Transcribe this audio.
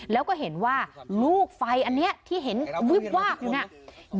แล้วก็เห็นว่าลูกไฟอันนี้ที่เห็นวิบวาบอยู่เนี่ย